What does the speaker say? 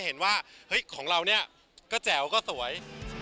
เห็นว่าเฮ้ยของเราเนี่ยก็แจ๋วก็สวย